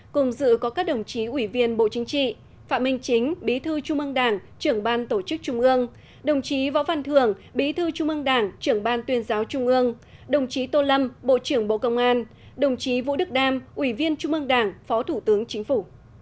cùng dự có các đồng chí ủy viên bộ chính trị phạm minh chính bí thư trung ương đảng trưởng ban tổ chức trung ương đồng chí võ văn thường bí thư trung ương đảng trưởng ban tuyên giáo trung ương đồng chí tô lâm bộ trưởng bộ công an đồng chí vũ đức đam ủy viên trung ương đảng phó thủ tướng chính phủ